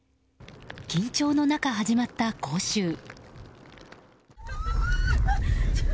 緊張の中、始まった講習。